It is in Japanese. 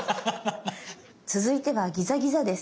続いてはギザギザです。